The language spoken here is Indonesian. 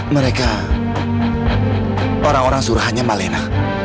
mereka orang orang suruhannya malena